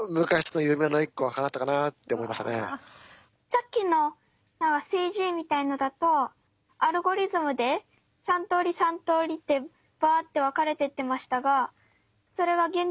さっきのＣＧみたいのだとアルゴリズムで３通り３通りってバーッて分かれてってましたがそれがお。